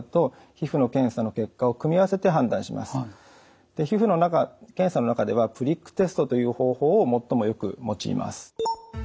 皮膚の検査の中ではプリックテストという方法を最もよく用います。